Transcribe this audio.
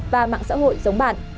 và mạng xã hội giống bạn